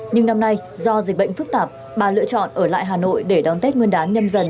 nhưng năm nay do dịch bệnh phức tạp bà lựa chọn ở lại hà nội để đón tết nguyên đáng nhầm dần hai nghìn hai mươi hai